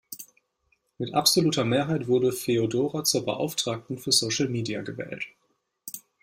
Mit absoluter Mehrheit wurde Feodora zur Beauftragten für Social Media gewählt.